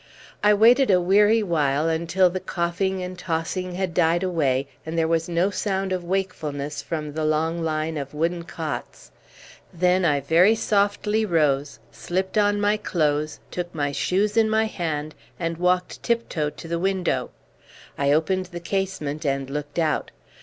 I waited a weary while until the coughing and tossing had died away, and there was no sound of wakefulness from the long line of wooden cots; then I very softly rose, slipped on my clothes, took my shoes in my hand, and walked tiptoe to the window. I opened the casement and looked out.